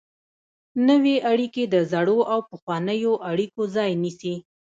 نوې اړیکې د زړو او پخوانیو اړیکو ځای نیسي.